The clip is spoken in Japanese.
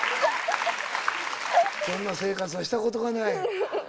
そんな生活はしたことがない。